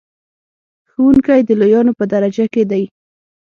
ښوونکی د لویانو په درجه کې دی.